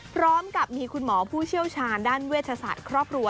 พร้อมกับมีคุณหมอผู้เชี่ยวชาญด้านเวชศาสตร์ครอบครัว